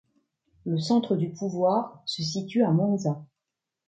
Le centre du pouvoir se situe à Monza.